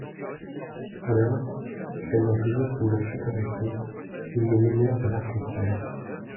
Alors, craignant toujours qu'il ne fût arrêté, ils le menèrent vers la frontière.